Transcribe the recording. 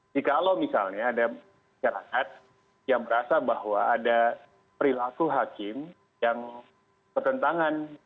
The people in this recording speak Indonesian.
jika misalnya ada syarat yang berasa bahwa ada perilaku hakim yang ketentangan